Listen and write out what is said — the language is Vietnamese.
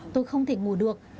tôi không thể ngủ được